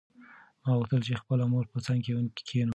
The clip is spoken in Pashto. ما غوښتل چې د خپلې مور په څنګ کې کښېنم.